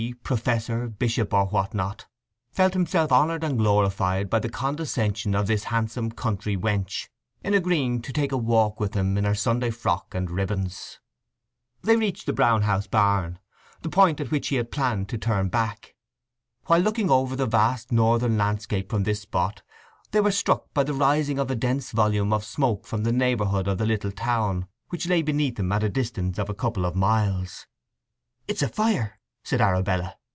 professor, bishop, or what not, felt himself honoured and glorified by the condescension of this handsome country wench in agreeing to take a walk with him in her Sunday frock and ribbons. They reached the Brown House barn—the point at which he had planned to turn back. While looking over the vast northern landscape from this spot they were struck by the rising of a dense volume of smoke from the neighbourhood of the little town which lay beneath them at a distance of a couple of miles. "It is a fire," said Arabella.